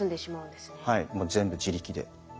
もう全部自力で。